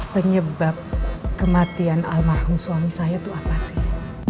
penyebab kematian almarhum suami saya itu apa sih